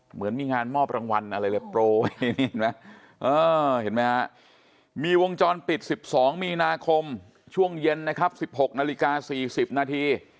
เหมือนมีงานมอบรางวัลอะไรเลยโปรไว้นี่เห็นไหมเห็นไหมฮะมีวงจรปิด๑๒มีนาคมช่วงเย็นนะครับ๑๖นาฬิกา๔๐นาที